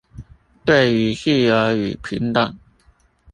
對於自由與平等